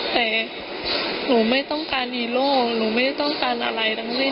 แต่หนูไม่ต้องการฮีโร่หนูไม่ได้ต้องการอะไรทั้งนี้